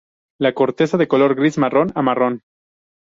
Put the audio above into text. La corteza de color gris-marrón a marrón.